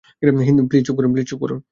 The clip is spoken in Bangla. প্লিজ, চুপ করুন।